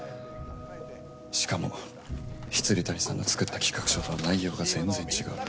しかも未谷さんの作った企画書とは内容が全然違う。